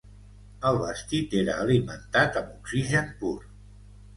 El vestit era alimentat amb oxigen pur.